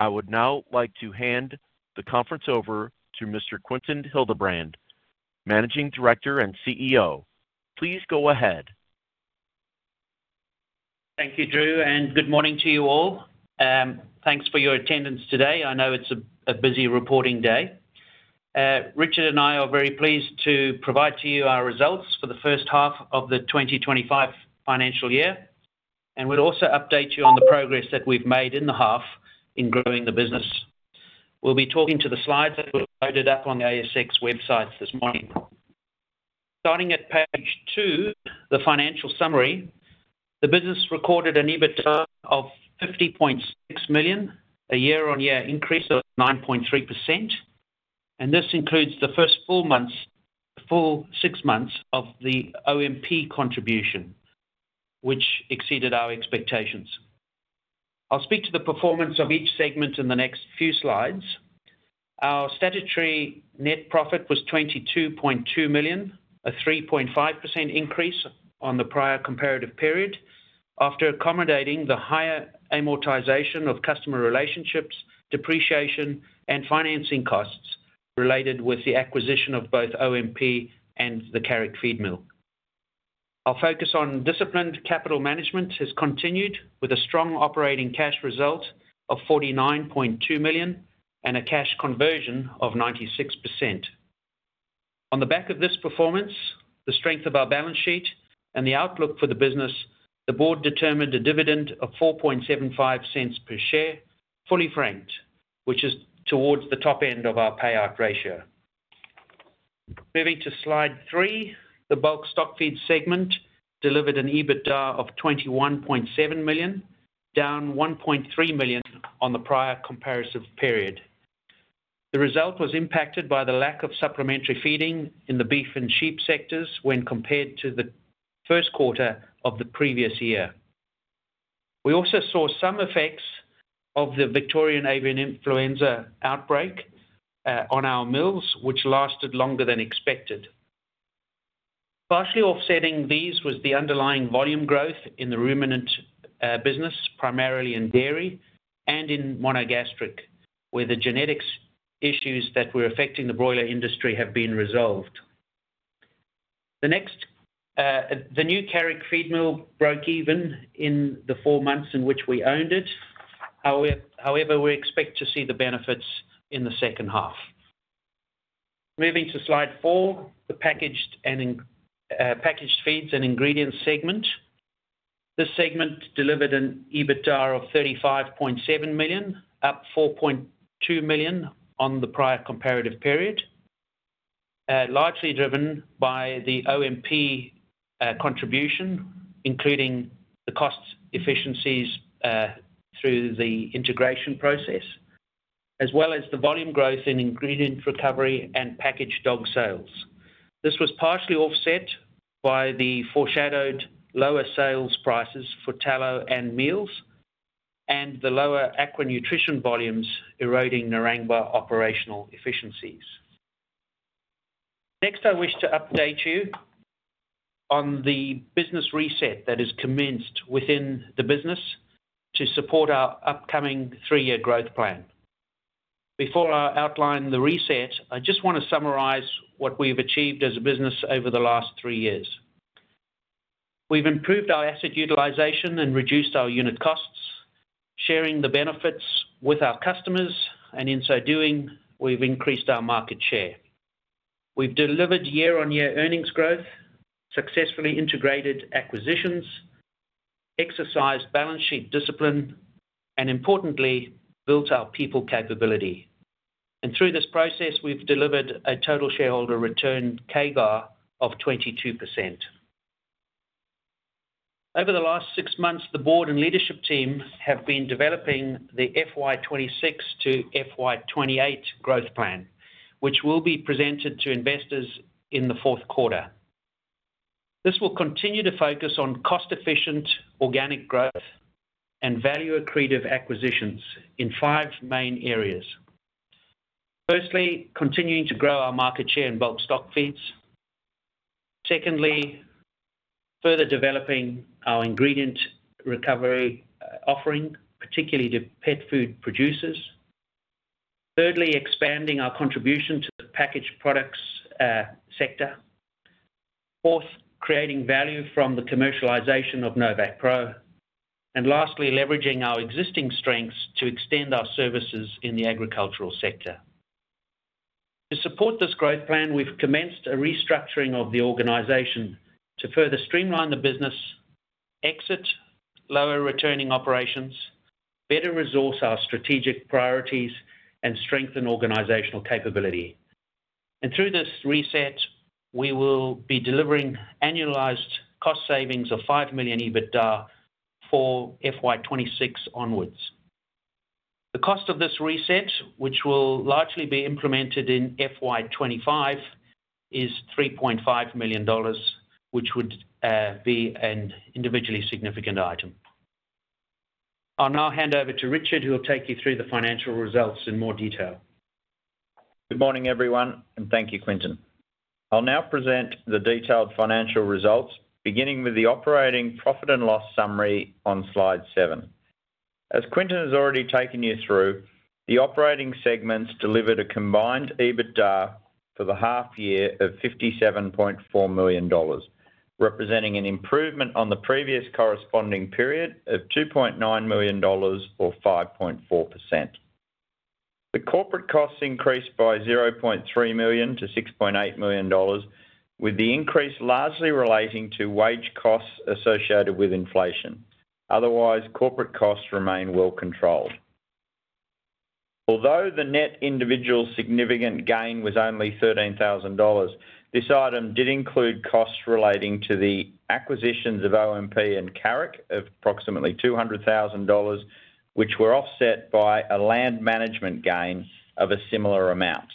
I would now like to hand the conference over to Mr. Quinton Hildebrand, Managing Director and CEO. Please go ahead. Thank you, Drew, and good morning to you all. Thanks for your attendance today. I know it's a busy reporting day. Richard and I are very pleased to provide to you our results for the first half of the 2025 financial year, and we'll also update you on the progress that we've made in the half in growing the business. We'll be talking to the slides that were loaded up on the ASX website this morning. Starting at page two, the financial summary, the business recorded an EBITDA of 50.6 million, a year-on-year increase of 9.3%, and this includes the first full six months of the OMP contribution, which exceeded our expectations. I'll speak to the performance of each segment in the next few slides. Our statutory net profit was 22.2 million, a 3.5% increase on the prior comparative period, after accommodating the higher amortization of customer relationships, depreciation, and financing costs related to the acquisition of both OMP and the Carrick feed mill. Our focus on disciplined capital management has continued with a strong operating cash result of 49.2 million and a cash conversion of 96%. On the back of this performance, the strength of our balance sheet and the outlook for the business, the Board determined a dividend of 0.0475 per share, fully franked, which is towards the top end of our payout ratio. Moving to slide three, the Bulk Stockfeeds segment delivered an EBITDA of 21.7 million, down 1.3 million on the prior comparative period. The result was impacted by the lack of supplementary feeding in the beef and sheep sectors when compared to the first quarter of the previous year. We also saw some effects of the Victorian avian influenza outbreak on our mills, which lasted longer than expected. Partially offsetting these was the underlying volume growth in the ruminant business, primarily in dairy and in monogastric, where the genetics issues that were affecting the broiler industry have been resolved. The new Carrick feed mill broke even in the four months in which we owned it. However, we expect to see the benefits in the second half. Moving to slide four, the Packaged Feeds and Ingredients segment. This segment delivered an EBITDA of 35.7 million, up 4.2 million on the prior comparative period, largely driven by the OMP contribution, including the cost efficiencies through the integration process, as well as the volume growth in Ingredient Recovery and packaged dog sales. This was partially offset by the foreshadowed lower sales prices for tallow and meals and the lower aqua nutrition volumes eroding Narangba operational efficiencies. Next, I wish to update you on the business reset that has commenced within the business to support our upcoming three-year growth plan. Before I outline the reset, I just want to summarize what we've achieved as a business over the last three years. We've improved our asset utilization and reduced our unit costs, sharing the benefits with our customers, and in so doing, we've increased our market share. We've delivered year-on-year earnings growth, successfully integrated acquisitions, exercised balance sheet discipline, and importantly, built our people capability, and through this process, we've delivered a total shareholder return CAGR of 22%. Over the last six months, the Board and leadership team have been developing the FY 2026 to FY 2028 growth plan, which will be presented to investors in the fourth quarter. This will continue to focus on cost-efficient organic growth and value-accretive acquisitions in five main areas. Firstly, continuing to grow our market share in Bulk Stockfeeds. Secondly, further developing our Ingredient Recovery offering, particularly to pet food producers. Thirdly, expanding our contribution to the Packaged Products sector. Fourth, creating value from the commercialization of NovaqPro. And lastly, leveraging our existing strengths to extend our services in the agricultural sector. To support this growth plan, we've commenced a restructuring of the organization to further streamline the business, exit lower returning operations, better resource our strategic priorities, and strengthen organizational capability, and through this reset, we will be delivering annualized cost savings of 5 million EBITDA for FY 2026 onwards. The cost of this reset, which will largely be implemented in FY 2025, is 3.5 million dollars, which would be an individually significant item. I'll now hand over to Richard, who will take you through the financial results in more detail. Good morning, everyone, and thank you, Quinton. I'll now present the detailed financial results, beginning with the operating profit and loss summary on slide seven. As Quinton has already taken you through, the operating segments delivered a combined EBITDA for the half year of 57.4 million dollars, representing an improvement on the previous corresponding period of 2.9 million dollars or 5.4%. The corporate costs increased by 0.3 million to 6.8 million dollars, with the increase largely relating to wage costs associated with inflation. Otherwise, corporate costs remain well controlled. Although the net individual significant gain was only 13,000 dollars, this item did include costs relating to the acquisitions of OMP and Carrick of approximately 200,000 dollars, which were offset by a land management gain of a similar amount.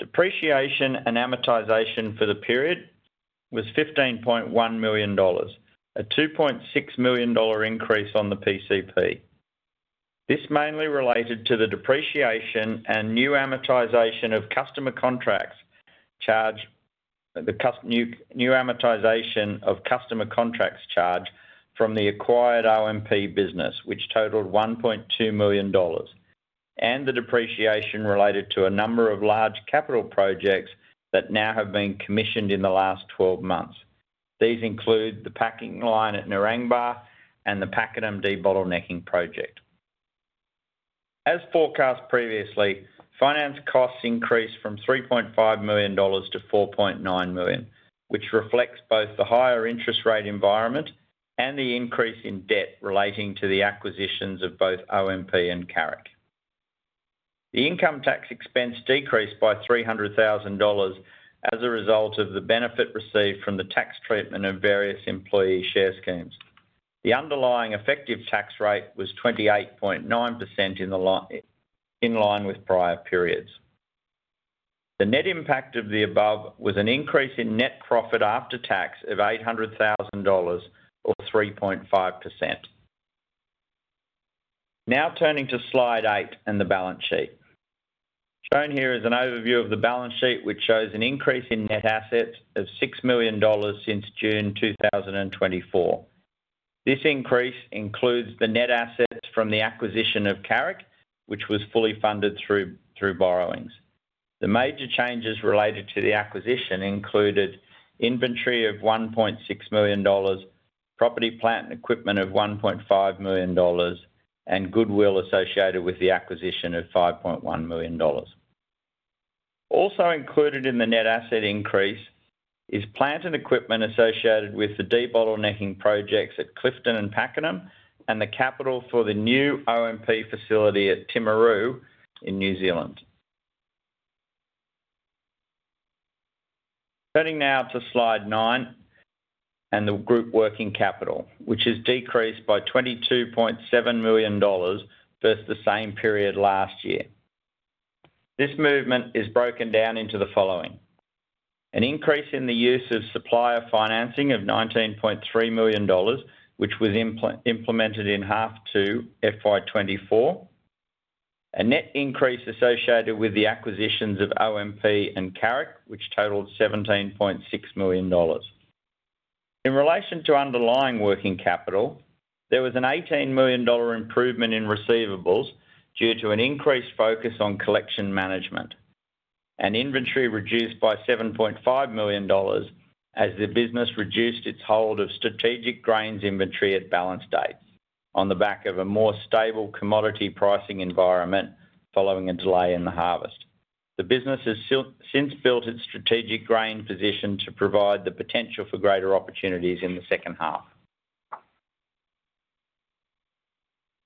Depreciation and amortization for the period was 15.1 million dollars, a 2.6 million dollar increase on the PCP. This mainly related to the depreciation and new amortization of customer contracts charge, the new amortization of customer contracts charge from the acquired OMP business, which totaled 1.2 million dollars, and the depreciation related to a number of large capital projects that now have been commissioned in the last 12 months. These include the packing line at Narangba and the Pakenham debottlenecking project. As forecast previously, finance costs increased from AUD 3.5 million to AUD 4.9 million, which reflects both the higher interest rate environment and the increase in debt relating to the acquisitions of both OMP and Carrick. The income tax expense decreased by 300,000 dollars as a result of the benefit received from the tax treatment of various employee share schemes. The underlying effective tax rate was 28.9% in line with prior periods. The net impact of the above was an increase in net profit after tax of 800,000 dollars or 3.5%. Now turning to slide eight and the balance sheet. Shown here is an overview of the balance sheet, which shows an increase in net assets of 6 million dollars since June 2024. This increase includes the net assets from the acquisition of Carrick, which was fully funded through borrowings. The major changes related to the acquisition included inventory of 1.6 million dollars, property, plant and equipment of 1.5 million dollars, and goodwill associated with the acquisition of 5.1 million dollars. Also included in the net asset increase is plant and equipment associated with the debottlenecking projects at Clifton and Pakenham and the capital for the new OMP facility at Timaru in New Zealand. Turning now to slide nine and the group working capital, which has decreased by 22.7 million dollars versus the same period last year. This movement is broken down into the following: an increase in the use of supplier financing of 19.3 million dollars, which was implemented in half two FY 2024, a net increase associated with the acquisitions of OMP and Carrick, which totaled 17.6 million dollars. In relation to underlying working capital, there was an 18 million dollar improvement in receivables due to an increased focus on collection management, and inventory reduced by 7.5 million dollars as the business reduced its hold of strategic grains inventory at balance date on the back of a more stable commodity pricing environment following a delay in the harvest. The business has since built its strategic grain position to provide the potential for greater opportunities in the second half.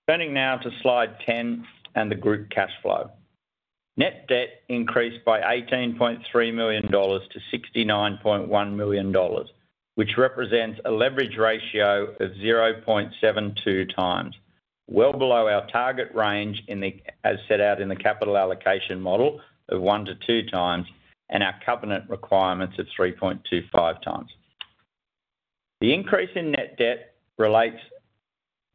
Turning now to slide 10 and the group cash flow. Net debt increased by 18.3 million dollars to 69.1 million dollars, which represents a leverage ratio of 0.72x, well below our target range as set out in the capital allocation model of one to two times and our covenant requirements of 3.25x. The increase in net debt relates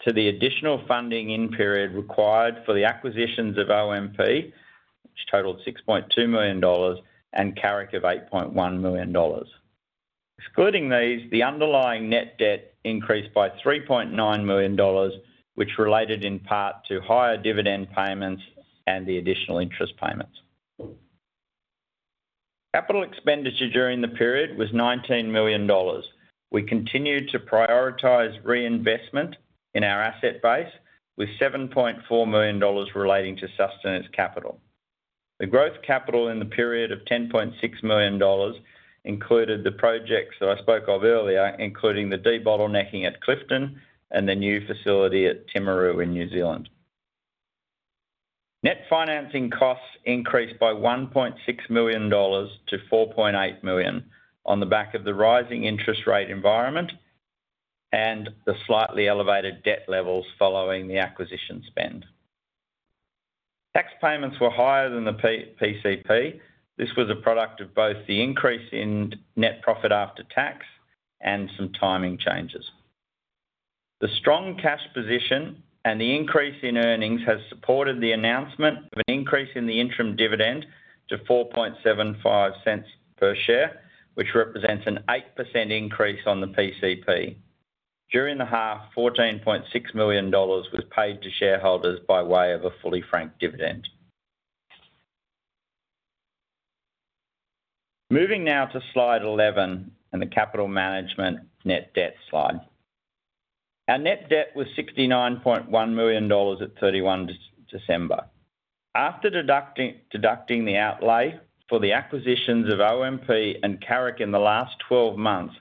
to the additional funding in period required for the acquisitions of OMP, which totaled 6.2 million dollars, and Carrick of 8.1 million dollars. Excluding these, the underlying net debt increased by 3.9 million dollars, which related in part to higher dividend payments and the additional interest payments. Capital expenditure during the period was 19 million dollars. We continued to prioritize reinvestment in our asset base, with 7.4 million dollars relating to sustenance capital. The growth capital in the period of 10.6 million dollars included the projects that I spoke of earlier, including the debottlenecking at Clifton and the new facility at Timaru in New Zealand. Net financing costs increased by 1.6 million dollars to 4.8 million on the back of the rising interest rate environment and the slightly elevated debt levels following the acquisition spend. Tax payments were higher than the PCP. This was a product of both the increase in net profit after tax and some timing changes. The strong cash position and the increase in earnings have supported the announcement of an increase in the interim dividend to 0.0475 per share, which represents an 8% increase on the PCP. During the half, 14.6 million dollars was paid to shareholders by way of a fully franked dividend. Moving now to slide 11 and the capital management net debt slide. Our net debt was 69.1 million dollars at 31 December. After deducting the outlay for the acquisitions of OMP and Carrick in the last 12 months,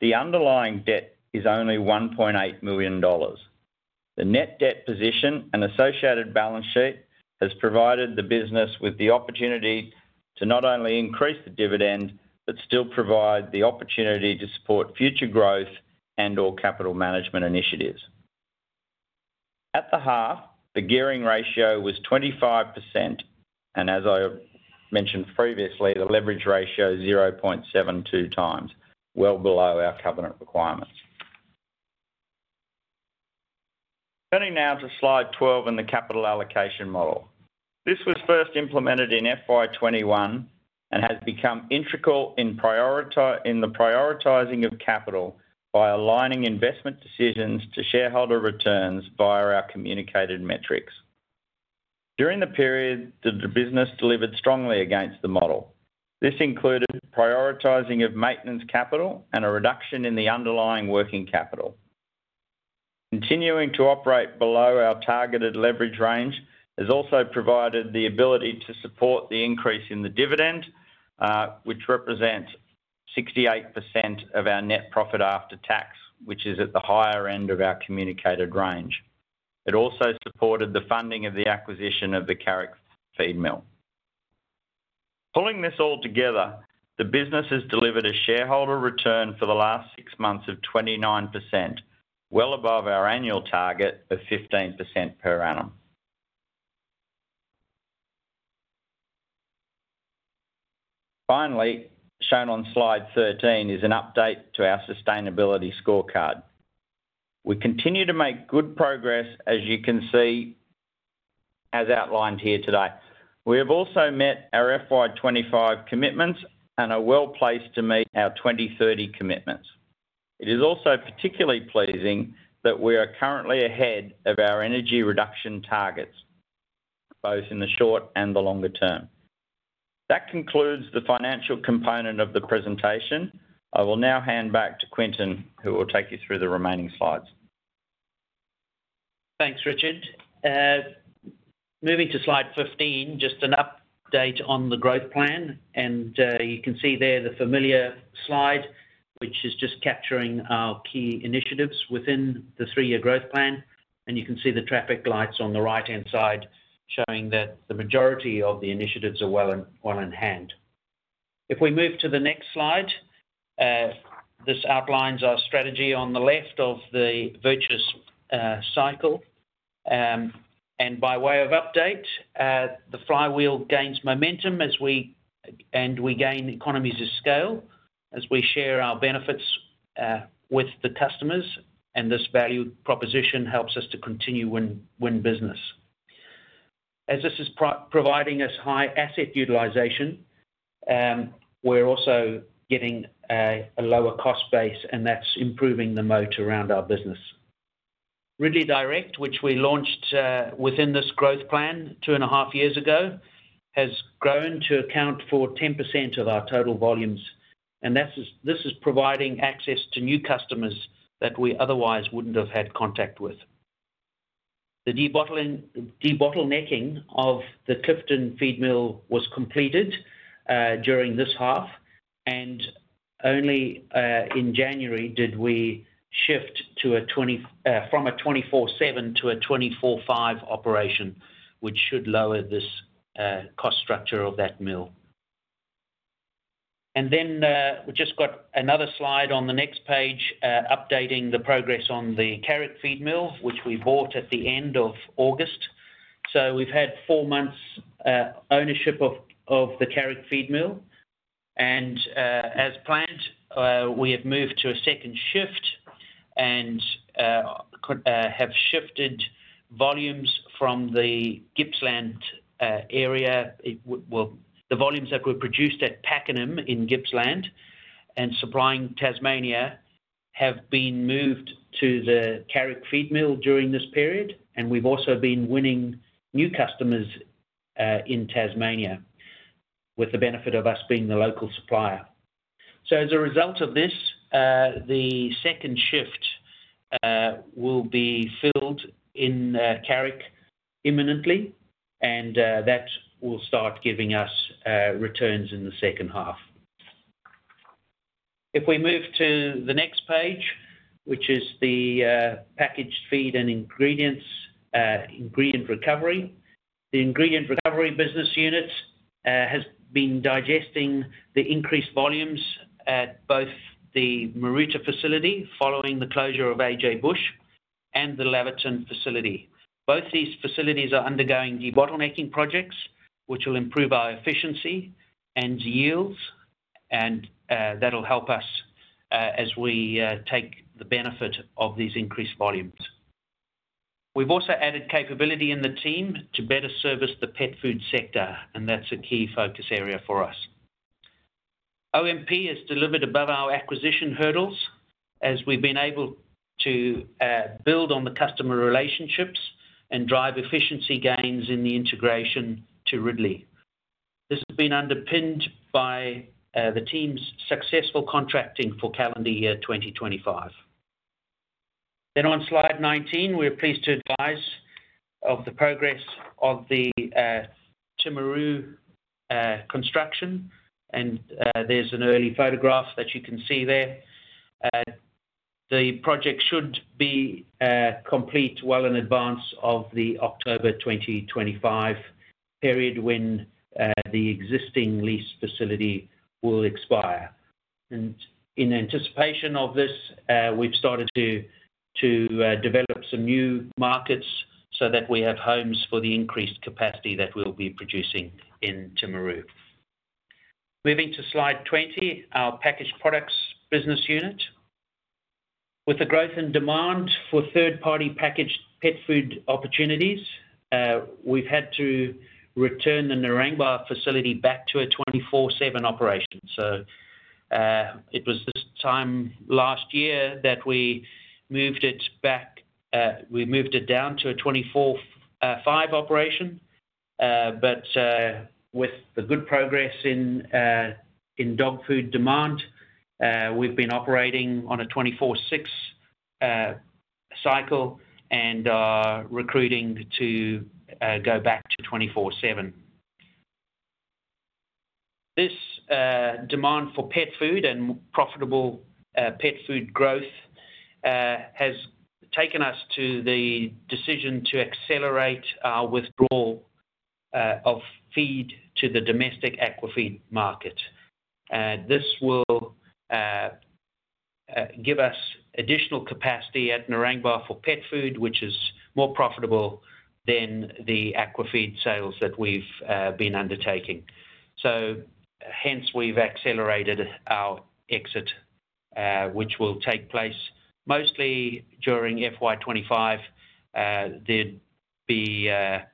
the underlying debt is only 1.8 million dollars. The net debt position and associated balance sheet has provided the business with the opportunity to not only increase the dividend but still provide the opportunity to support future growth and/or capital management initiatives. At the half, the gearing ratio was 25%, and as I mentioned previously, the leverage ratio is 0.72x, well below our covenant requirements. Turning now to slide 12 and the capital allocation model. This was first implemented in FY 2021 and has become integral in the prioritizing of capital by aligning investment decisions to shareholder returns via our communicated metrics. During the period, the business delivered strongly against the model. This included prioritizing of maintenance capital and a reduction in the underlying working capital. Continuing to operate below our targeted leverage range has also provided the ability to support the increase in the dividend, which represents 68% of our net profit after tax, which is at the higher end of our communicated range. It also supported the funding of the acquisition of the Carrick feed mill. Pulling this all together, the business has delivered a shareholder return for the last six months of 29%, well above our annual target of 15% per annum. Finally, shown on slide 13 is an update to our sustainability scorecard. We continue to make good progress, as you can see as outlined here today. We have also met our FY 2025 commitments and are well placed to meet our 2030 commitments. It is also particularly pleasing that we are currently ahead of our energy reduction targets, both in the short and the longer term. That concludes the financial component of the presentation. I will now hand back to Quinton, who will take you through the remaining slides. Thanks, Richard. Moving to slide 15, just an update on the growth plan, and you can see there the familiar slide, which is just capturing our key initiatives within the three-year growth plan, and you can see the traffic lights on the right-hand side showing that the majority of the initiatives are well in hand. If we move to the next slide, this outlines our strategy on the left of the virtuous cycle, and by way of update, the flywheel gains momentum and we gain economies of scale as we share our benefits with the customers, and this value proposition helps us to continue win business. As this is providing us high asset utilization, we're also getting a lower cost base, and that's improving the moat around our business. Ridley Direct, which we launched within this growth plan two and a half years ago, has grown to account for 10% of our total volumes, and this is providing access to new customers that we otherwise wouldn't have had contact with. The debottlenecking of the Clifton feed mill was completed during this half, and only in January did we shift from a 24/7 to a 24/5 operation, which should lower this cost structure of that mill. And then we just got another slide on the next page, updating the progress on the Carrick feed mill, which we bought at the end of August. So we've had four months' ownership of the Carrick feed mill, and as planned, we have moved to a second shift and have shifted volumes from the Gippsland area. The volumes that were produced at Pakenham in Gippsland and supplying Tasmania have been moved to the Carrick feed mill during this period, and we've also been winning new customers in Tasmania with the benefit of us being the local supplier. So as a result of this, the second shift will be filled in Carrick imminently, and that will start giving us returns in the second half. If we move to the next page, which is the Packaged Feeds and Ingredients, Ingredient Recovery, the Ingredient Recovery business unit has been digesting the increased volumes at both the Maroota facility following the closure of AJ Bush and the Laverton facility. Both these facilities are undergoing debottlenecking projects, which will improve our efficiency and yields, and that'll help us as we take the benefit of these increased volumes. We've also added capability in the team to better service the pet food sector, and that's a key focus area for us. OMP has delivered above our acquisition hurdles as we've been able to build on the customer relationships and drive efficiency gains in the integration to Ridley. This has been underpinned by the team's successful contracting for calendar year 2025. Then on slide 19, we're pleased to advise of the progress of the Timaru construction, and there's an early photograph that you can see there. The project should be complete well in advance of the October 2025 period when the existing lease facility will expire. And in anticipation of this, we've started to develop some new markets so that we have homes for the increased capacity that we'll be producing in Timaru. Moving to slide 20, our Packaged Products business unit. With the growth in demand for third-party packaged pet food opportunities, we've had to return the Narangba facility back to a 24/7 operation. So it was this time last year that we moved it back. We moved it down to a 24/5 operation, but with the good progress in dog food demand, we've been operating on a 24/6 cycle and are recruiting to go back to 24/7. This demand for pet food and profitable pet food growth has taken us to the decision to accelerate our withdrawal of feed to the domestic aquafeed market. This will give us additional capacity at Narangba for pet food, which is more profitable than the aquafeed sales that we've been undertaking. So hence, we've accelerated our exit, which will take place mostly during FY 2025. There'd be a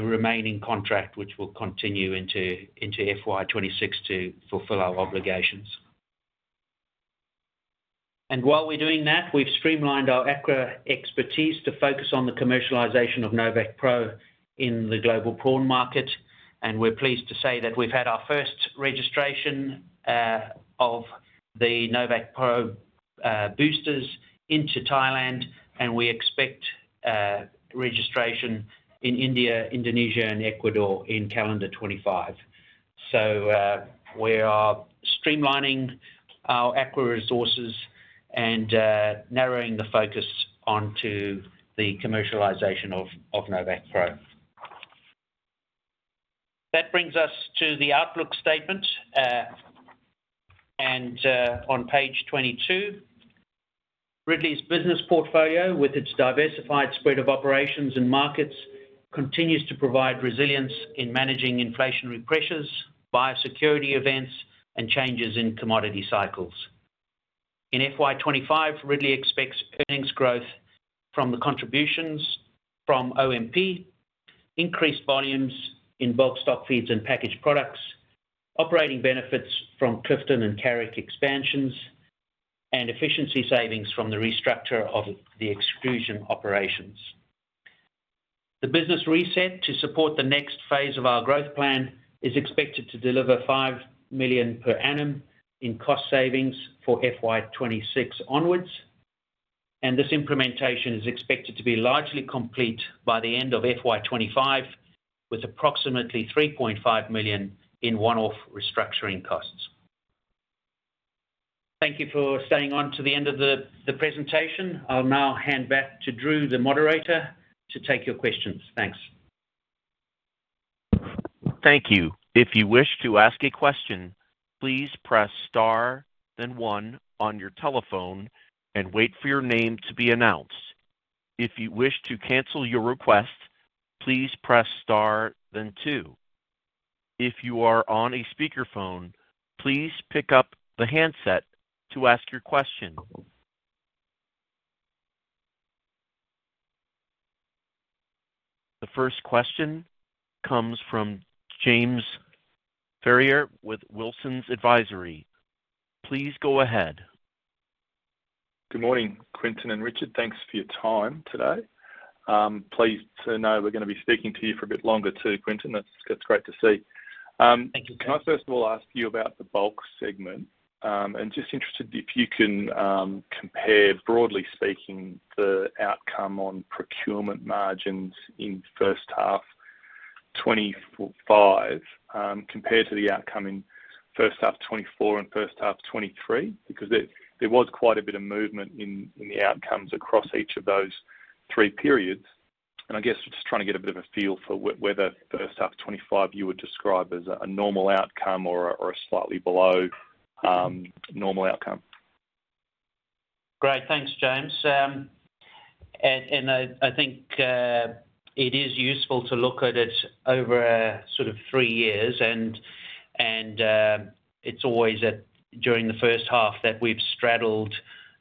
remaining contract which will continue into FY 2026 to fulfill our obligations. And while we're doing that, we've streamlined our aqua expertise to focus on the commercialization of NovaqPro in the global prawn market, and we're pleased to say that we've had our first registration of the NovaqPro boosters into Thailand, and we expect registration in India, Indonesia, and Ecuador in calendar 2025. So we are streamlining our aqua resources and narrowing the focus onto the commercialization of NovaqPro. That brings us to the outlook statement, and on page 22, Ridley's business portfolio, with its diversified spread of operations and markets, continues to provide resilience in managing inflationary pressures, biosecurity events, and changes in commodity cycles. In FY 2025, Ridley expects earnings growth from the contributions from OMP, increased volumes in Bulk Stockfeeds and Packaged Products, operating benefits from Clifton and Carrick expansions, and efficiency savings from the restructure of the Ingredients operations. The business reset to support the next phase of our growth plan is expected to deliver 5 million per annum in cost savings for FY 2026 onwards, and this implementation is expected to be largely complete by the end of FY 2025, with approximately 3.5 million in one-off restructuring costs. Thank you for staying on to the end of the presentation. I'll now hand back to Drew, the moderator, to take your questions. Thanks. Thank you. If you wish to ask a question, please press star then one on your telephone and wait for your name to be announced. If you wish to cancel your request, please press star then two. If you are on a speakerphone, please pick up the handset to ask your question. The first question comes from James Ferrier with Wilsons Advisory. Please go ahead. Good morning, Quinton and Richard. Thanks for your time today. Please know we're going to be speaking to you for a bit longer too, Quinton. That's great to see. Can I first of all ask you about the Bulk segment? I'm just interested if you can compare, broadly speaking, the outcome on procurement margins in first half 2025 compared to the outcome in first half 2024 and first half 2023, because there was quite a bit of movement in the outcomes across each of those three periods, and I guess we're just trying to get a bit of a feel for whether first half 2025 you would describe as a normal outcome or a slightly below normal outcome. Great. Thanks, James. And I think it is useful to look at it over sort of three years, and it's always during the first half that we've straddled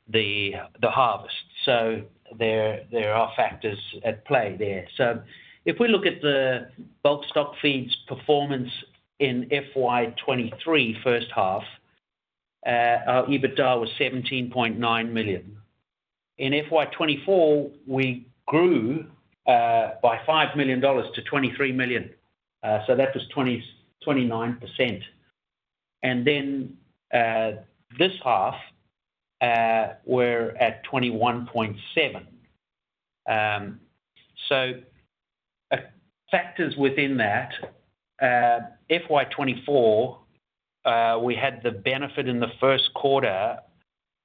the harvest. So there are factors at play there. So if we look at the Bulk Stockfeeds performance in FY 2023 first half, our EBITDA was 17.9 million. In FY 2024, we grew by 5 million dollars to 23 million. So that was 29%. And then this half, we're at 21.7. So factors within that. FY 2024, we had the benefit in the first quarter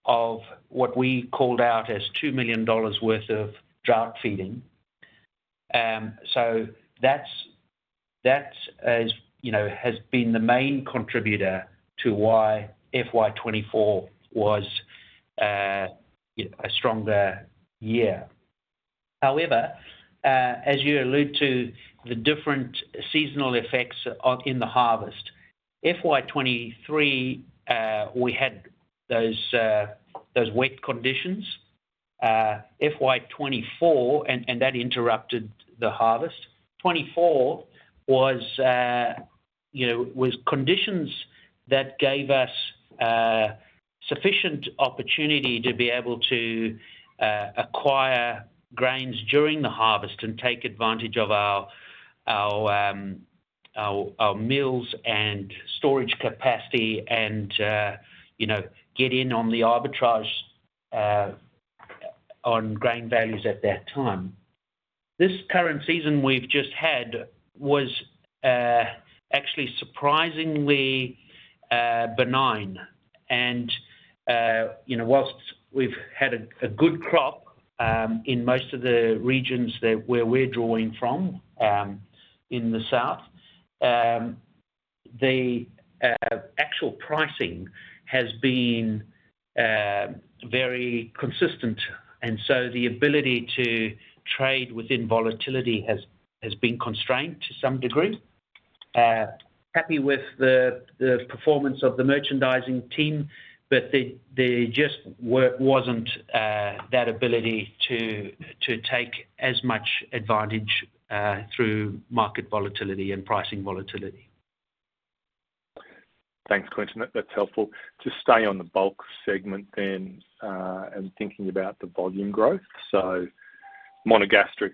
of what we called out as 2 million dollars worth of drought feeding. So that has been the main contributor to why FY 2024 was a stronger year. However, as you allude to the different seasonal effects in the harvest, FY 2023, we had those wet conditions. FY 2024, and that interrupted the harvest. 2024 was conditions that gave us sufficient opportunity to be able to acquire grains during the harvest and take advantage of our mills and storage capacity and get in on the arbitrage on grain values at that time. This current season we've just had was actually surprisingly benign, and while we've had a good crop in most of the regions where we're drawing from in the south, the actual pricing has been very consistent, and so the ability to trade within volatility has been constrained to some degree. Happy with the performance of the merchandising team, but there just wasn't that ability to take as much advantage through market volatility and pricing volatility. Thanks, Quinton. That's helpful. To stay on the Bulk segment then and thinking about the volume growth. So monogastric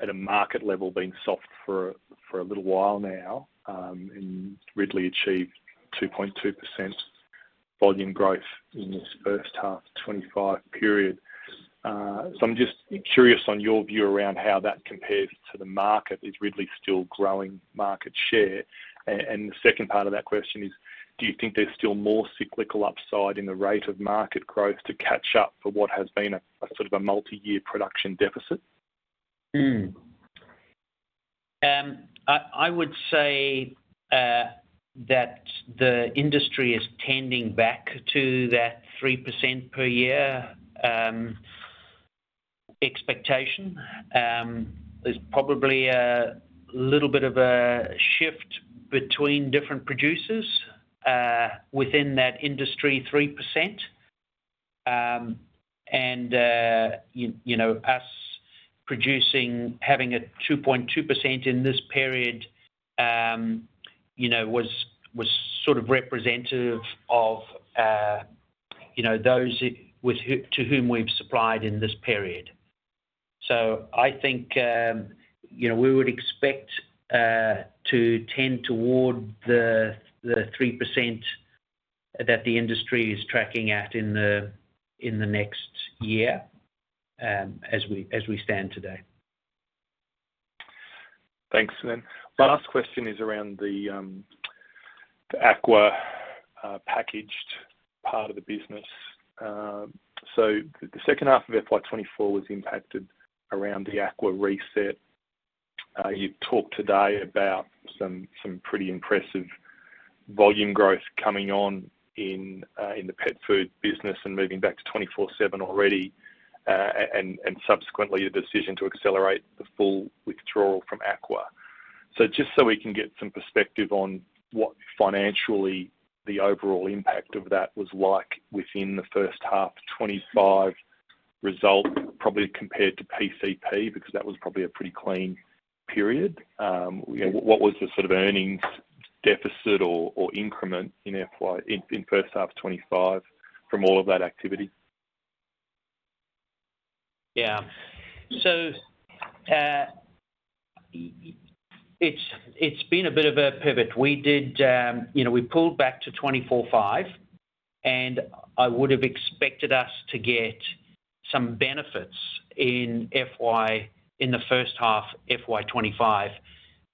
at a market level being soft for a little while now, and Ridley achieved 2.2% volume growth in this first half 2025 period. So I'm just curious on your view around how that compares to the market. Is Ridley still growing market share? And the second part of that question is, do you think there's still more cyclical upside in the rate of market growth to catch up for what has been a sort of a multi-year production deficit? I would say that the industry is tending back to that 3% per year expectation. There's probably a little bit of a shift between different producers within that industry 3%. And us producing, having a 2.2% in this period was sort of representative of those to whom we've supplied in this period. So I think we would expect to tend toward the 3% that the industry is tracking at in the next year as we stand today. Thanks, Quin. Last question is around the aqua packaged part of the business. So the second half of FY 2024 was impacted around the aqua reset. You talked today about some pretty impressive volume growth coming on in the pet food business and moving back to 24/7 already, and subsequently a decision to accelerate the full withdrawal from aqua. So just so we can get some perspective on what financially the overall impact of that was like within the first half 2025 result, probably compared to PCP, because that was probably a pretty clean period. What was the sort of earnings deficit or increment in first half 2025 from all of that activity? Yeah. So it's been a bit of a pivot. We pulled back to 24/5, and I would have expected us to get some benefits in the first half FY 2025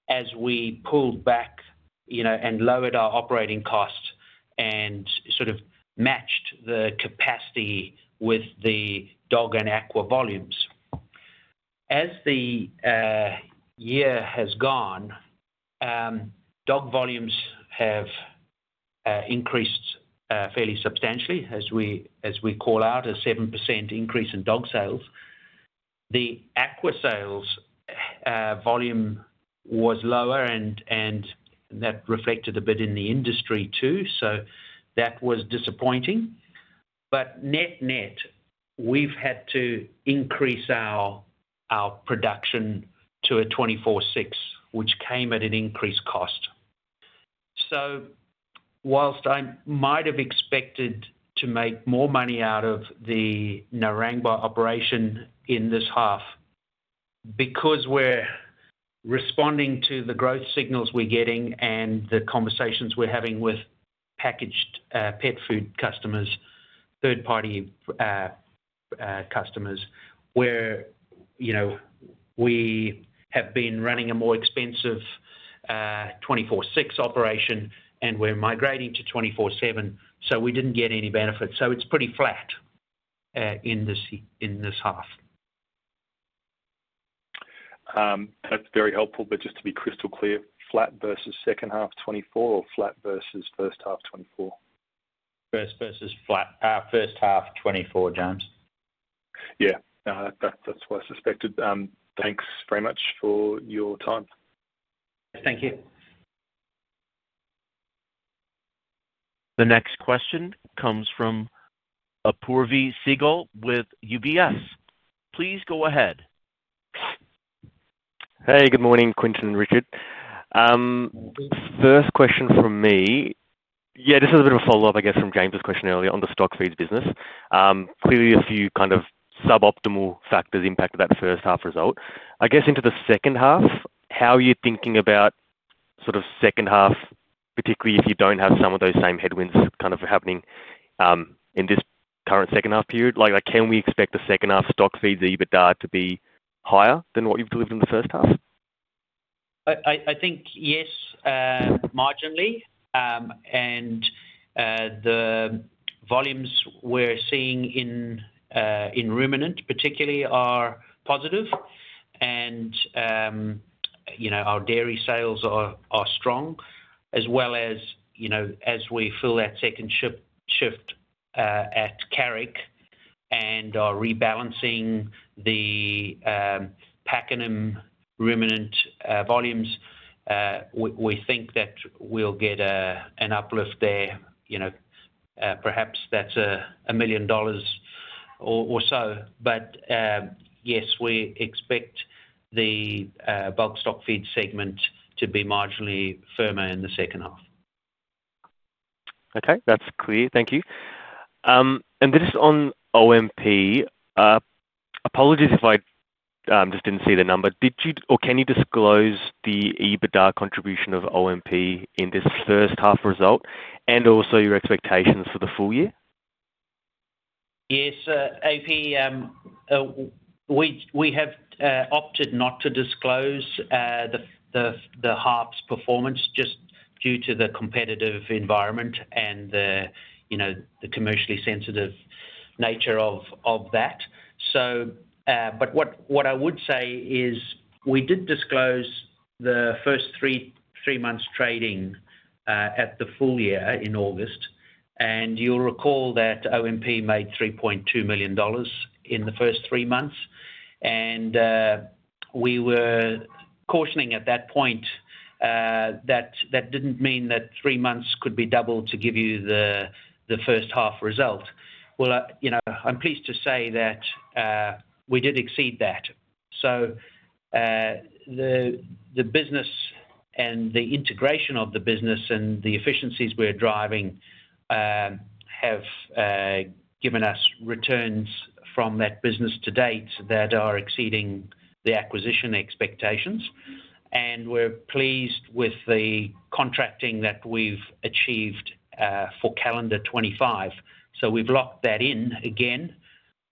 as we pulled back and lowered our operating costs and sort of matched the capacity with the dog and aqua volumes. As the year has gone, dog volumes have increased fairly substantially, as we call out a 7% increase in dog sales. The aqua sales volume was lower, and that reflected a bit in the industry too, so that was disappointing. But net net, we've had to increase our production to a 24/6, which came at an increased cost. So while I might have expected to make more money out of the Narangba operation in this half, because we're responding to the growth signals we're getting and the conversations we're having with packaged pet food customers, third-party customers, where we have been running a more expensive 24/6 operation and we're migrating to 24/7, so we didn't get any benefit. So it's pretty flat in this half. That's very helpful, but just to be crystal clear, flat versus second half 2024 or flat versus first half 2024? First versus flat. First half 2024, James. Yeah. That's what I suspected. Thanks very much for your time. Thank you. The next question comes from Apoorv Sehgal with UBS. Please go ahead. Hey, good morning, Quinton and Richard. First question from me. Yeah, just a bit of a follow-up, I guess, from James's question earlier on the Stockfeeds business. Clearly, a few kind of suboptimal factors impacted that first half result. I guess into the second half, how are you thinking about sort of second half, particularly if you don't have some of those same headwinds kind of happening in this current second half period? Can we expect the second half Stockfeeds EBITDA to be higher than what you've delivered in the first half? I think yes, marginally. And the volumes we're seeing in ruminant, particularly, are positive, and our dairy sales are strong, as well as we fill that second shift at Carrick and are rebalancing the packing and ruminant volumes, we think that we'll get an uplift there. Perhaps that's 1 million dollars or so. But yes, we expect the Bulk Stockfeeds segment to be marginally firmer in the second half. Okay. That's clear. Thank you. And this is on OMP. Apologies if I just didn't see the number. Did you or can you disclose the EBITDA contribution of OMP in this first half result and also your expectations for the full year? Yes. AP, we have opted not to disclose the half's performance just due to the competitive environment and the commercially sensitive nature of that. But what I would say is we did disclose the first three months trading at the full year in August. And you'll recall that OMP made 3.2 million dollars in the first three months. And we were cautioning at that point that that didn't mean that three months could be doubled to give you the first half result. Well, I'm pleased to say that we did exceed that. So the business and the integration of the business and the efficiencies we're driving have given us returns from that business to date that are exceeding the acquisition expectations. And we're pleased with the contracting that we've achieved for calendar 2025. So we've locked that in again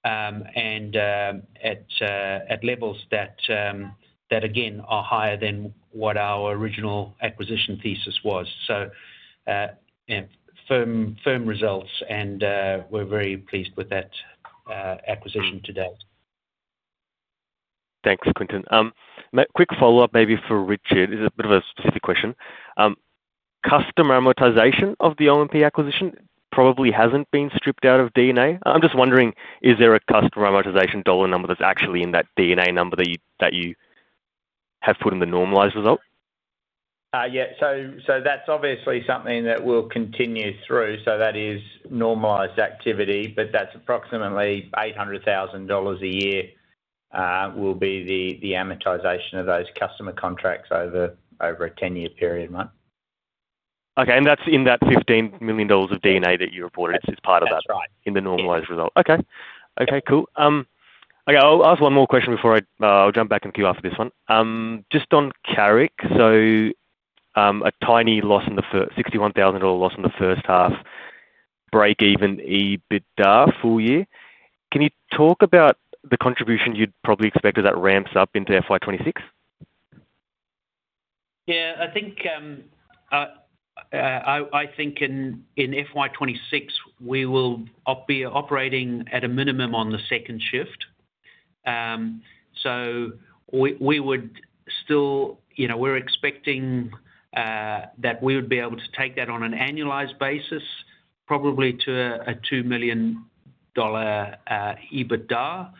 and at levels that, again, are higher than what our original acquisition thesis was, so firm results, and we're very pleased with that acquisition to date. Thanks, Quinton. Quick follow-up maybe for Richard. This is a bit of a specific question. Customer amortization of the OMP acquisition probably hasn't been stripped out of EBITDA. I'm just wondering, is there a customer amortization dollar number that's actually in that EBITDA number that you have put in the normalized result? Yeah. So that's obviously something that will continue through. So that is normalized activity, but that's approximately 800,000 dollars a year will be the amortization of those customer contracts over a 10-year period, right? Okay. And that's in that 15 million dollars of EBITDA that you reported is part of that in the normalized result? That's right. I'll ask one more question before I'll jump back in queue after this one. Just on Carrick, so a tiny loss, the 61,000 dollar loss in the first half, break-even EBITDA full year. Can you talk about the contribution you'd probably expect as that ramps up into FY 2026? Yeah. I think in FY 2026, we will be operating at a minimum on the second shift. So we would still. We're expecting that we would be able to take that on an annualized basis, probably to an AUD 2 million EBITDA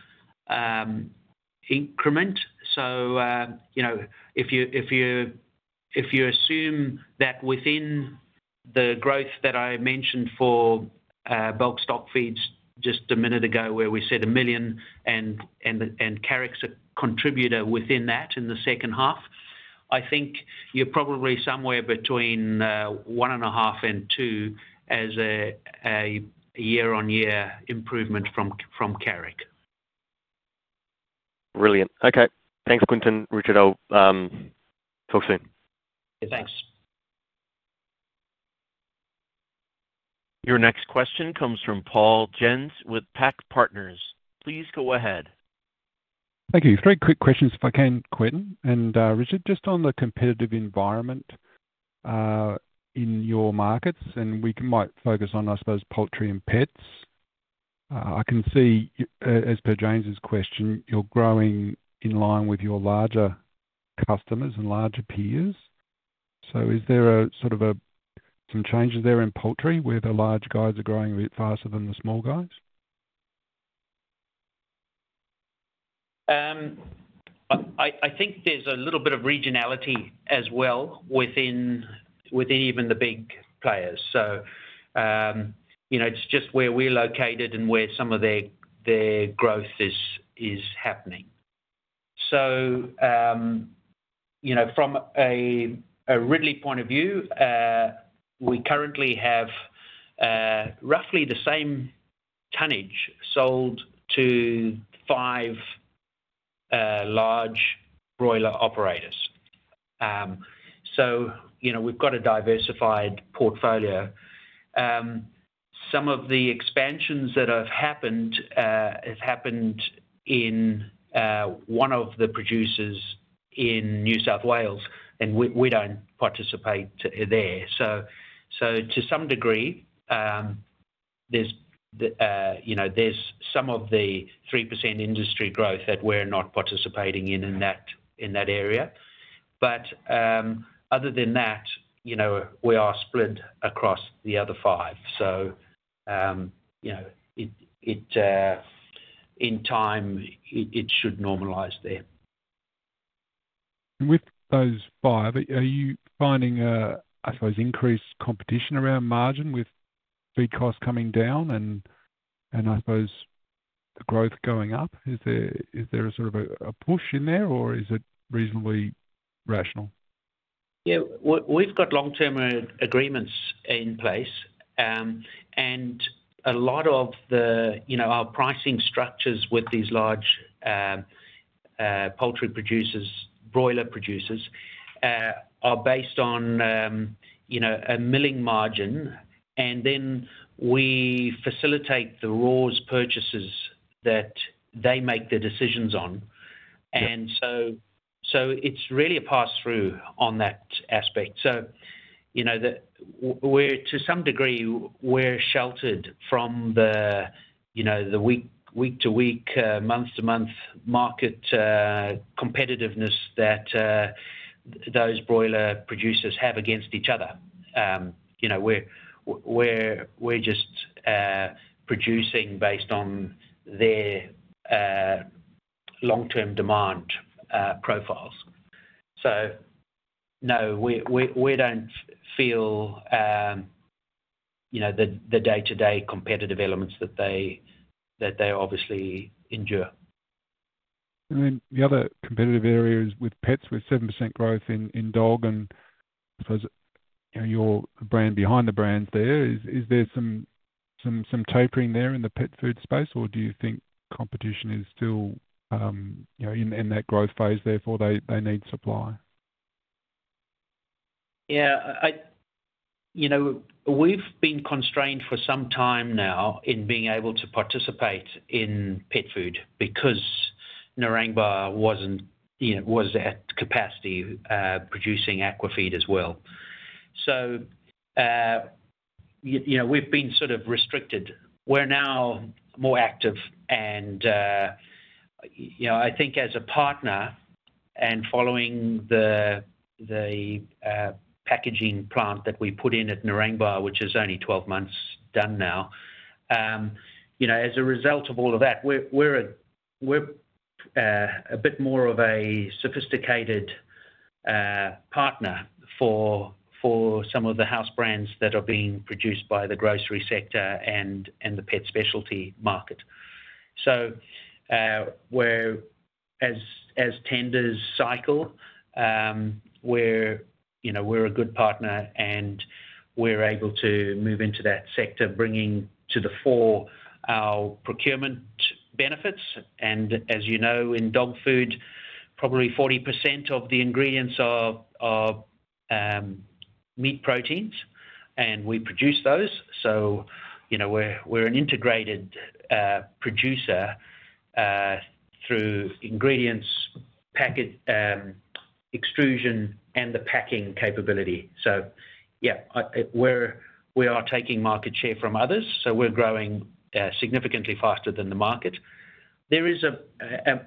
increment. So if you assume that within the growth that I mentioned for Bulk Stockfeeds just a minute ago where we said 1 million and Carrick's a contributor within that in the second half, I think you're probably somewhere between 1.5 and 2 as a year-on-year improvement from Carrick. Brilliant. Okay. Thanks, Quinton. Richard, I'll talk soon. Yeah. Thanks. Your next question comes from Paul Jensz with PAC Partners. Please go ahead. Thank you. Three quick questions if I can, Quin, and Richard, just on the competitive environment in your markets, and we might focus on, I suppose, poultry and pets. I can see, as per James's question, you're growing in line with your larger customers and larger peers, so is there sort of some changes there in poultry where the large guys are growing a bit faster than the small guys? I think there's a little bit of regionality as well within even the big players. So it's just where we're located and where some of their growth is happening. So from a Ridley point of view, we currently have roughly the same tonnage sold to five large broiler operators. So we've got a diversified portfolio. Some of the expansions that have happened have happened in one of the producers in New South Wales, and we don't participate there. So to some degree, there's some of the 3% industry growth that we're not participating in in that area. But other than that, we are split across the other five. So in time, it should normalize there. With those five, are you finding, I suppose, increased competition around margin with feed costs coming down and, I suppose, the growth going up? Is there a sort of a push in there, or is it reasonably rational? Yeah. We've got long-term agreements in place, and a lot of our pricing structures with these large poultry producers, broiler producers, are based on a milling margin, and then we facilitate the raws purchases that they make their decisions on, and so it's really a pass-through on that aspect, so to some degree, we're sheltered from the week-to-week, month-to-month market competitiveness that those broiler producers have against each other. We're just producing based on their long-term demand profiles, so no, we don't feel the day-to-day competitive elements that they obviously endure. Then the other competitive areas with pets with 7% growth in dog and, I suppose, your brand behind the brands there, is there some tapering there in the pet food space, or do you think competition is still in that growth phase, therefore they need supply? Yeah. We've been constrained for some time now in being able to participate in pet food because Narangba was at capacity producing aquafeed as well. So we've been sort of restricted. We're now more active. And I think as a partner and following the packaging plant that we put in at Narangba, which is only 12 months done now, as a result of all of that, we're a bit more of a sophisticated partner for some of the house brands that are being produced by the grocery sector and the pet specialty market. So as tenders cycle, we're a good partner, and we're able to move into that sector, bringing to the fore our procurement benefits. And as you know, in dog food, probably 40% of the ingredients are meat proteins, and we produce those. So we're an integrated producer through ingredients, pellet extrusion, and the packing capability. So yeah, we are taking market share from others, so we're growing significantly faster than the market. There is,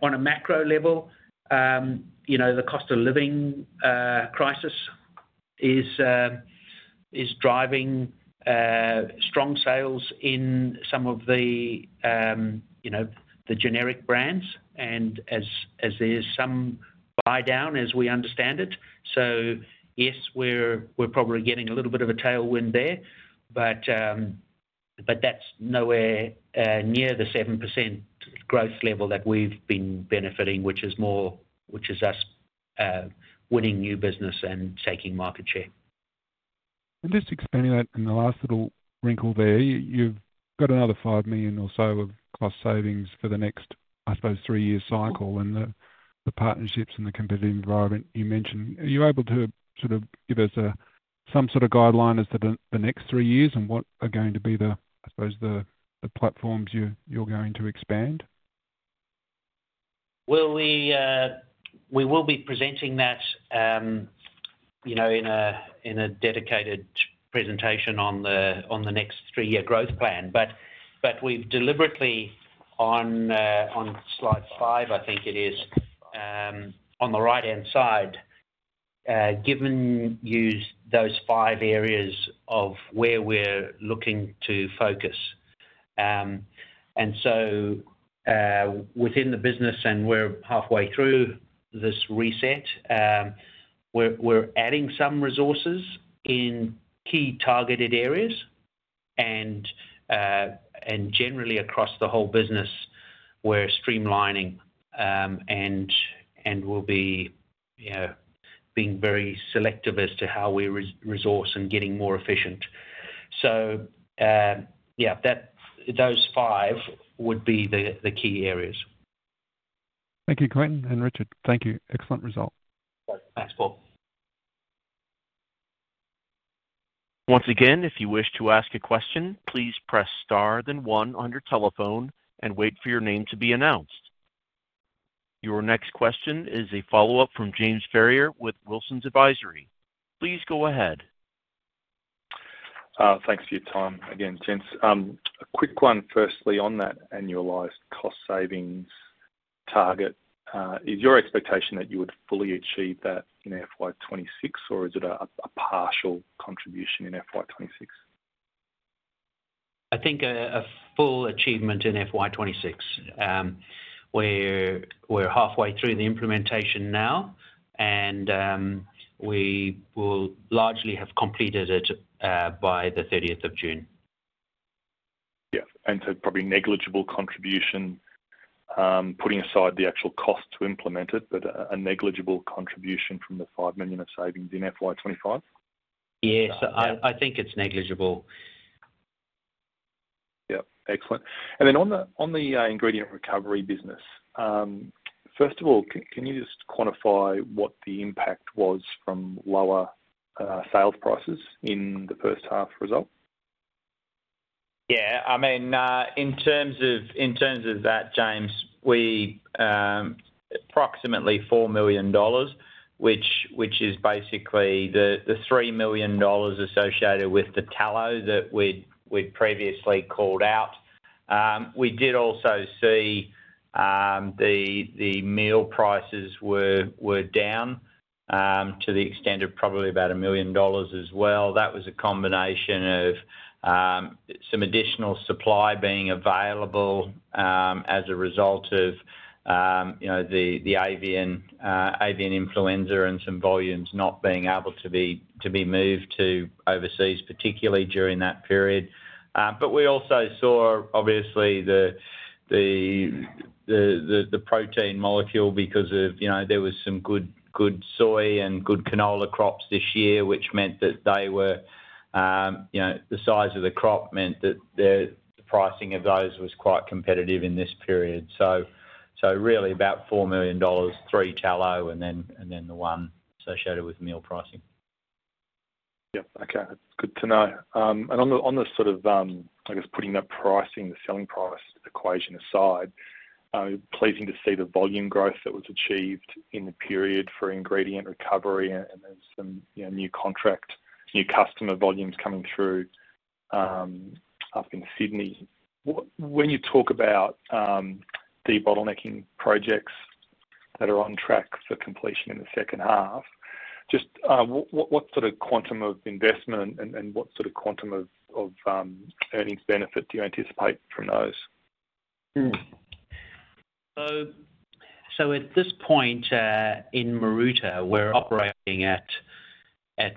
on a macro level, the cost of living crisis is driving strong sales in some of the generic brands, and there's some buy-down as we understand it. So yes, we're probably getting a little bit of a tailwind there, but that's nowhere near the 7% growth level that we've been benefiting, which is us winning new business and taking market share. And just expanding that in the last little wrinkle there, you've got another five million or so of cost savings for the next, I suppose, three-year cycle. And the partnerships and the competitive environment you mentioned, are you able to sort of give us some sort of guideline as to the next three years and what are going to be, I suppose, the platforms you're going to expand? We will be presenting that in a dedicated presentation on the next three-year growth plan. But we've deliberately, on slide five, I think it is, on the right-hand side, given you those five areas of where we're looking to focus. And so within the business, and we're halfway through this reset, we're adding some resources in key targeted areas and generally across the whole business. We're streamlining and will be being very selective as to how we resource and getting more efficient. Yeah, those five would be the key areas. Thank you, Quin. And Richard, thank you. Excellent result. Thanks, Paul. Once again, if you wish to ask a question, please press star then one on your telephone and wait for your name to be announced. Your next question is a follow-up from James Ferrier with Wilsons Advisory. Please go ahead. Thanks for your time, again, James. A quick one firstly on that annualized cost savings target. Is your expectation that you would fully achieve that in FY 2026, or is it a partial contribution in FY 2026? I think a full achievement in FY 2026. We're halfway through the implementation now, and we will largely have completed it by the 30th of June. Yeah. And so probably negligible contribution, putting aside the actual cost to implement it, but a negligible contribution from the five million of savings in FY 2025? Yes. I think it's negligible. Yeah. Excellent. And then on the Ingredient Recovery business, first of all, can you just quantify what the impact was from lower sales prices in the first half result? Yeah. I mean, in terms of that, James, we approximately 4 million dollars, which is basically the 3 million dollars associated with the tallow that we'd previously called out. We did also see the meal prices were down to the extent of probably about 1 million dollars as well. That was a combination of some additional supply being available as a result of the avian influenza and some volumes not being able to be moved to overseas, particularly during that period. But we also saw, obviously, the protein meal because there was some good soy and good canola crops this year, which meant that the size of the crop meant that the pricing of those was quite competitive in this period. So really about 4 million dollars, three tallow, and then the one associated with meal pricing. Yeah. Okay. That's good to know, and on the sort of, I guess, putting that pricing, the selling price equation aside, pleasing to see the volume growth that was achieved in the period for Ingredient Recovery and then some new contract, new customer volumes coming through up in Sydney. When you talk about the debottlenecking projects that are on track for completion in the second half, just what sort of quantum of investment and what sort of quantum of earnings benefit do you anticipate from those? At this point in Maroota, we're operating at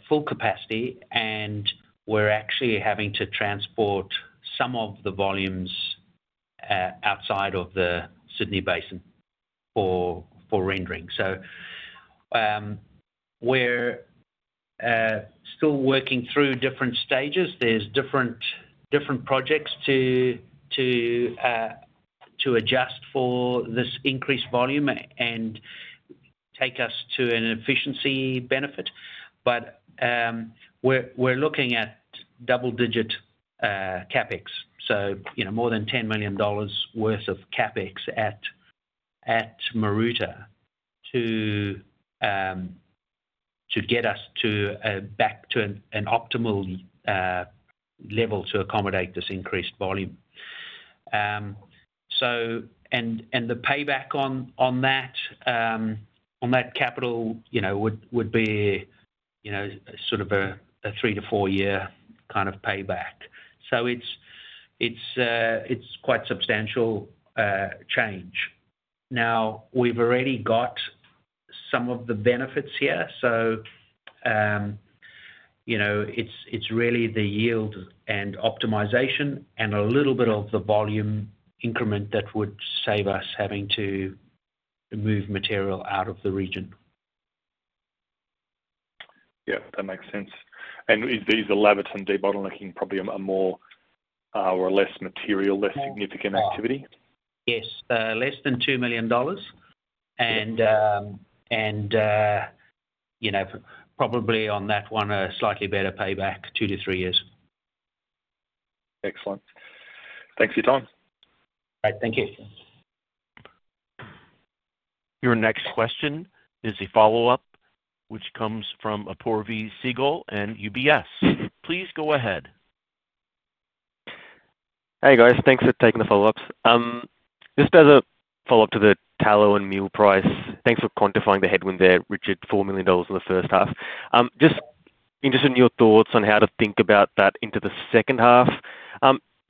full capacity, and we're actually having to transport some of the volumes outside of the Sydney basin for rendering. We're still working through different stages. There's different projects to adjust for this increased volume and take us to an efficiency benefit. We're looking at double-digit CapEx, so more than AUD 10 million worth of CapEx at Maroota to get us back to an optimal level to accommodate this increased volume. The payback on that capital would be sort of a three- to four-year kind of payback. It's quite a substantial change. Now, we've already got some of the benefits here. It's really the yield and optimization and a little bit of the volume increment that would save us having to move material out of the region. Yeah. That makes sense, and is the Laverton debottlenecking probably a more or less material, less significant activity? Yes. Less than 2 million dollars, and probably on that one, a slightly better payback, two to three years. Excellent. Thanks for your time. All right. Thank you. Your next question is a follow-up, which comes from Apoorv Sehgal and UBS. Please go ahead. Hey, guys. Thanks for taking the follow-ups. Just as a follow-up to the tallow and meal price, thanks for quantifying the headwind there, Richard, 4 million dollars in the first half. Just interested in your thoughts on how to think about that into the second half.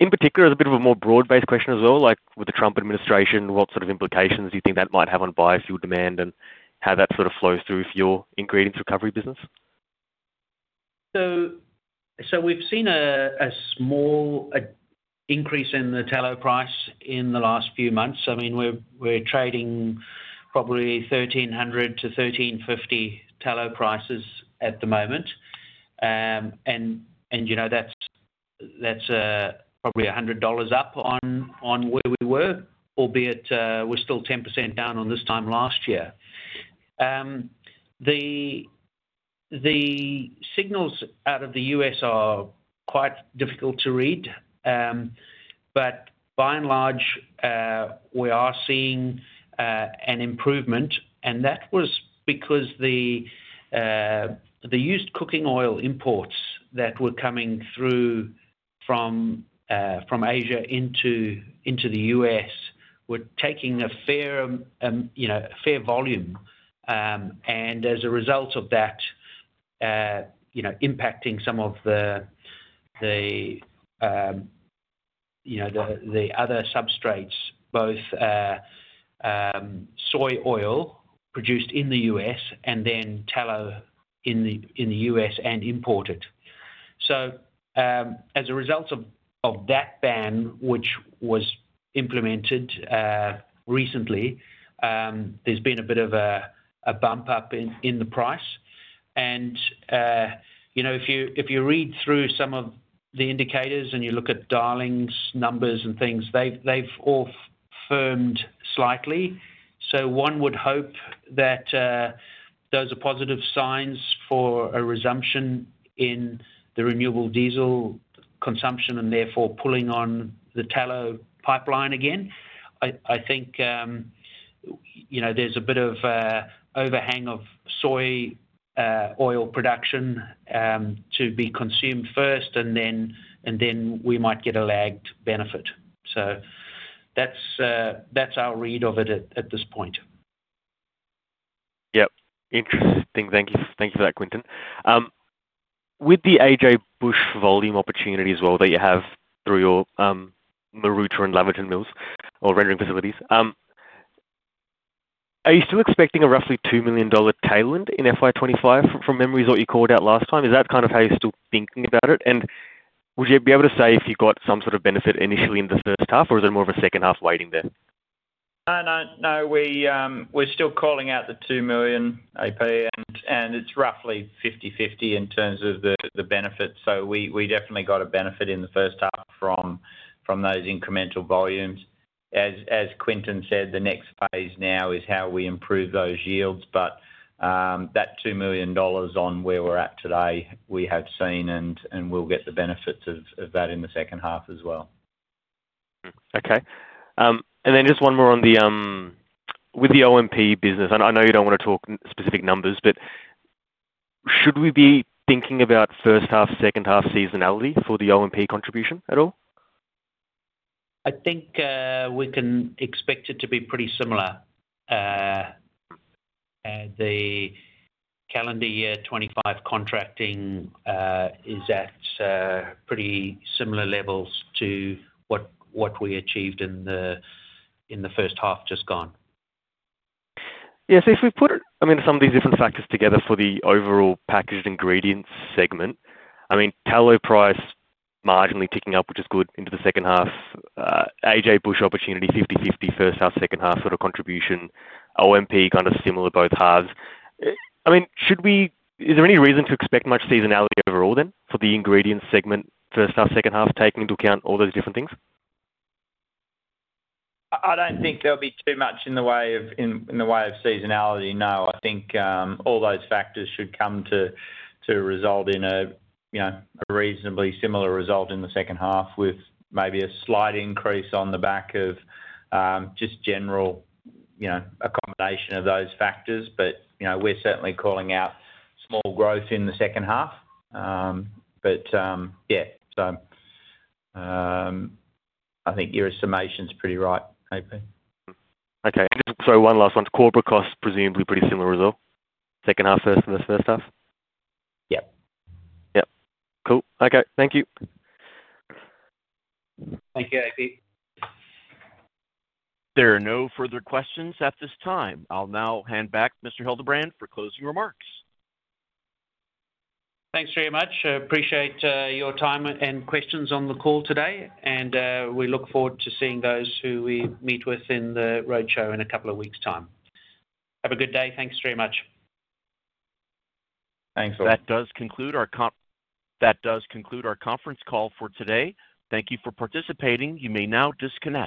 In particular, it's a bit of a more broad-based question as well. With the Trump administration, what sort of implications do you think that might have on biofuel demand and how that sort of flows through for your ingredients recovery business? We've seen a small increase in the tallow price in the last few months. I mean, we're trading probably 1,300-1,350 tallow prices at the moment. And that's probably 100 dollars up on where we were, albeit we're still 10% down on this time last year. The signals out of the U.S. are quite difficult to read, but by and large, we are seeing an improvement. And that was because the used cooking oil imports that were coming through from Asia into the U.S. were taking a fair volume. And as a result of that, impacting some of the other substrates, both soy oil produced in the U.S. and then tallow in the U.S. and imported. So as a result of that ban, which was implemented recently, there's been a bit of a bump up in the price. And if you read through some of the indicators and you look at Darling's numbers and things, they've all firmed slightly. So one would hope that those are positive signs for a resumption in the renewable diesel consumption and therefore pulling on the tallow pipeline again. I think there's a bit of overhang of soy oil production to be consumed first, and then we might get a lagged benefit. So that's our read of it at this point. Yeah. Interesting. Thank you for that, Quinton. With the AJ Bush volume opportunity as well that you have through your Maroota and Laverton mills or rendering facilities, are you still expecting a roughly 2 million dollar tailwind in FY 2025 from memory is what you called out last time? Is that kind of how you're still thinking about it? And would you be able to say if you got some sort of benefit initially in the first half, or is there more of a second half waiting there? No, no. We're still calling out the 2 million AP, and it's roughly 50/50 in terms of the benefit. So we definitely got a benefit in the first half from those incremental volumes. As Quinton said, the next phase now is how we improve those yields. But that 2 million dollars on where we're at today, we have seen, and we'll get the benefits of that in the second half as well. Okay. And then just one more on the OMP business, I know you don't want to talk specific numbers, but should we be thinking about first half, second half seasonality for the OMP contribution at all? I think we can expect it to be pretty similar. The calendar year 2025 contracting is at pretty similar levels to what we achieved in the first half just gone. Yeah. So if we put, I mean, some of these different factors together for the overall packaged ingredients segment, I mean, tallow price marginally ticking up, which is good into the second half, AJ Bush opportunity, fifty-fifty first half, second half sort of contribution, OMP kind of similar both halves. I mean, is there any reason to expect much seasonality overall then for the ingredients segment first half, second half, taking into account all those different things? I don't think there'll be too much in the way of seasonality. No. I think all those factors should come to result in a reasonably similar result in the second half with maybe a slight increase on the back of just general accommodation of those factors. But we're certainly calling out small growth in the second half. But yeah. So I think your estimation's pretty right, AP. Okay. And just so one last one. Corporate costs, presumably pretty similar result, second half first and the first half? Yeah. Yeah. Cool. Okay. Thank you. Thank you, AP. There are no further questions at this time. I'll now hand back Mr. Hildebrand for closing remarks. Thanks very much. Appreciate your time and questions on the call today, and we look forward to seeing those who we meet with in the roadshow in a couple of weeks' time. Have a good day. Thanks very much. Thanks, all. That does conclude our conference call for today. Thank you for participating. You may now disconnect.